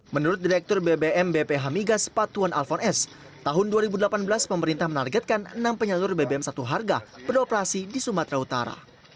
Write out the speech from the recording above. menurut direktur bbm bph migas patuan alphon s tahun dua ribu delapan belas pemerintah menargetkan enam penyalur bbm satu harga beroperasi di sumatera utara